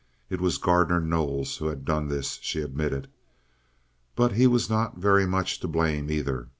It was Gardner Knowles who had done this, she admitted. But he was not very much to blame, either.